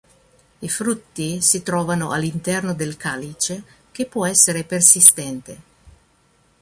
I frutti si trovano all'interno del calice che può essere persistente.